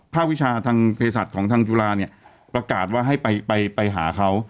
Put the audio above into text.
ภาควิชาทางเภสัตริย์ของทางจุฬาเนี่ยประกาศว่าให้ไปไปไปหาเขา